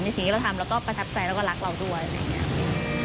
ในสิ่งที่เราทำแล้วก็ประทับใจแล้วก็รักเราด้วย